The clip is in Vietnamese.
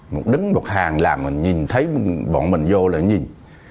một đứng một hàng làm mình nhìn thấy bọn mình vô là nhìn